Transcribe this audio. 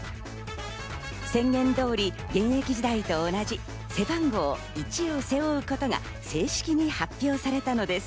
宣言通り、現役時代と同じ背番号１を背負うことが正式に発表されたのです。